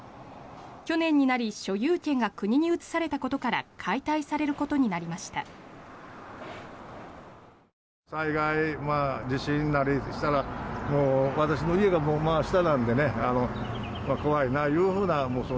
去年になり所有権が国に移されたことから解体されることになりました。